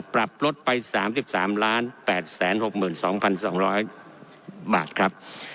ปรับลดไป๓๓๘๖๒๒๐๐บาทครับ